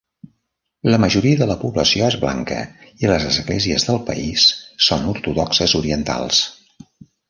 La majoria de la població és blanca, i les esglésies del país són ortodoxes orientals.